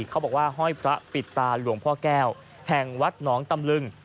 เขาบอกว่าห้อยพระปิดตาหลวงพ่อแก้วแห่งวัดหนองตำลึง